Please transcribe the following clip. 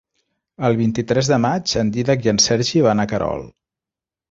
El vint-i-tres de maig en Dídac i en Sergi van a Querol.